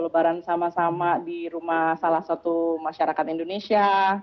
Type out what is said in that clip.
lebaran sama sama di rumah salah satu masyarakat indonesia